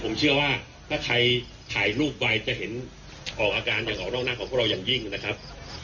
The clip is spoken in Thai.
ผมเชื่อว่าถ้าใครถ่ายรูปไว้จะเห็นออกอาการยังออกนอกหน้าของพวกเราอย่างยิ่งนะครับ